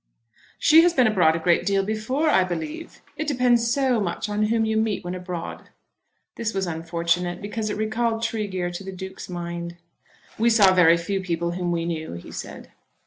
"She has been abroad a great deal before, I believe. It depends so much on whom you meet when abroad." This was unfortunate, because it recalled Tregear to the Duke's mind. "We saw very few people whom we knew," he said.